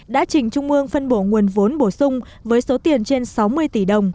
đã chỉnh trung mương phân bổ nguồn vốn bổ sung với số tiền trên sáu mươi tỷ đồng